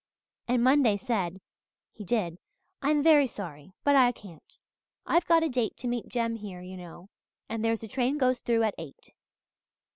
And Monday said he did! 'I am very sorry but I can't. I've got a date to meet Jem here, you know, and there's a train goes through at eight.'